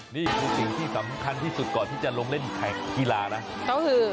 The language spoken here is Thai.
นี่คือสิ่งที่สำคัญที่สุดก่อนที่จะลงเล่นแข่งกีฬานะ